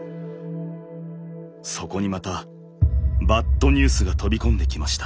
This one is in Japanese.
そこにまたバッドニュースが飛び込んできました。